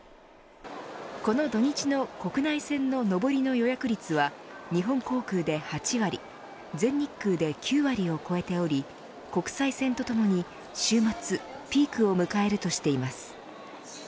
この土日の国内線の上りの予約率は日本航空で８割全日空で９割を超えており国際線とともに、週末ピークを迎えるとしています。